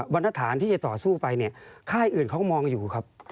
วันฐานที่จะต่อสู้ไปค่ายอื่นเขาก็มองอยู่ครับ